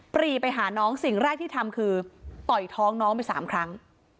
รีไปหาน้องสิ่งแรกที่ทำคือต่อยท้องน้องไปสามครั้ง